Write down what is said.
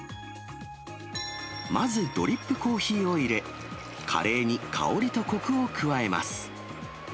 まずドリップコーヒーを入れ、カレーに香りとこくを加えます。